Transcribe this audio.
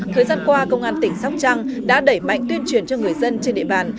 thời gian qua công an tỉnh sóc trăng đã đẩy mạnh tuyên truyền cho người dân trên địa bàn